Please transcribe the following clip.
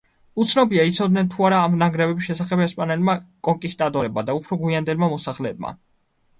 უცნობია, იცოდნენ თუ არა ამ ნანგრევების შესახებ ესპანელმა კონკისტადორებმა და უფრო გვიანდელმა მოსახლეებმა.